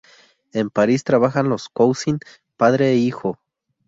En París trabajan los Cousin, padre e hijo.